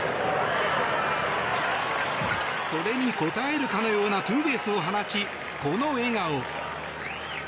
それに応えるかのようなツーベースを放ち、この笑顔。